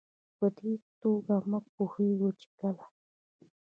په دې توګه موږ پوهېږو چې کله